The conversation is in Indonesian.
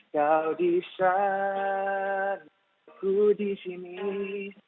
kau disaranku disini